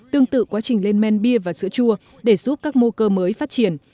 tương tự quá trình lên men bia và sữa chua để giúp các mô cơ mới phát triển